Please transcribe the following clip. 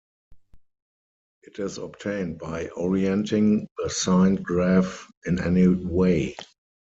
It is obtained by orienting the signed graph in any way.